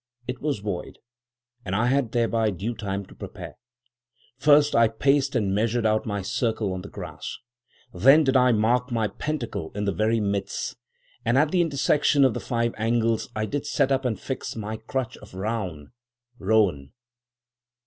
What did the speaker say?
It was void, and I had thereby due time to prepare. First, I paced and measured out my circle on the grass. Then did I mark my pentacle in the very midst, and at the intersection of the five angles I did set up and fix my crutch of raun (rowan).